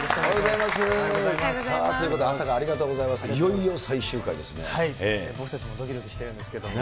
いよいよ最終回ですね。